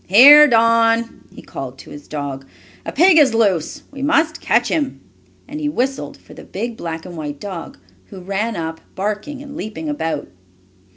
Here, Don!" he called to his dog. "A pig is loose! We must catch him!" and he whistled for the big black and white dog, who ran up, barking and leaping about.